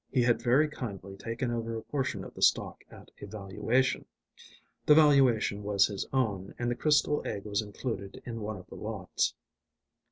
He had very kindly taken over a portion of the stock at a valuation. The valuation was his own and the crystal egg was included in one of the lots.